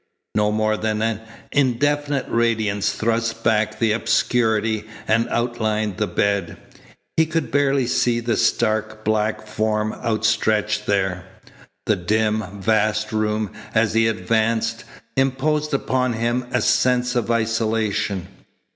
No more than an indefinite radiance thrust back the obscurity and outlined the bed. He could barely see the stark, black form outstretched there. The dim, vast room, as he advanced, imposed upon him a sense of isolation.